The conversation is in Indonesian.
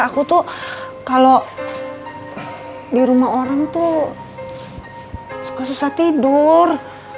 aku tuh kalau di rumah orang tuh suka susah susah tidur